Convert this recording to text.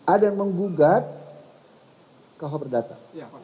ada yang menggugat kuhp berdata